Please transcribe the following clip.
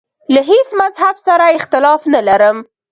له هیڅ مذهب سره اختلاف نه لرم.